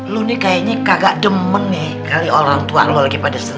lu ini kayaknya kagak demen nih kali orang tua lo lagi pada seneng